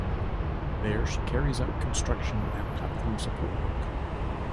There she carries out construction and platform support work.